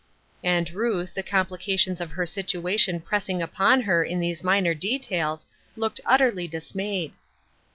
And Ruth, the complications of her situation pressing upon her in these minor details, looked utterly dismayed.